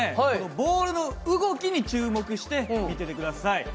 ボールの動きに注目して見てて下さい。